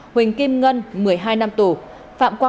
huỳnh kim ngân một mươi hai năm tù